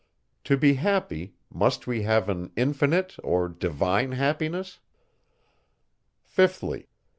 To be happy, must we have an infinite or divine happiness? 5thly.